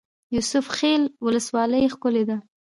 یوسف خیل ولسوالۍ ښکلې ده؟